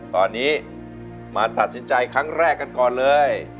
ตอนนี้มาตัดสินใจครั้งแรกกันก่อนเลย